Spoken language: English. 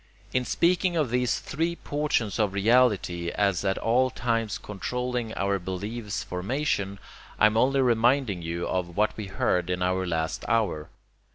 In speaking of these three portions of reality as at all times controlling our belief's formation, I am only reminding you of what we heard in our last hour.